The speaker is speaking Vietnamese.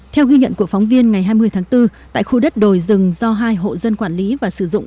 theo ghi nhận của phóng viên ngày hai mươi tháng bốn tại khu đất đồi rừng do hai hộ dân quản lý và sử dụng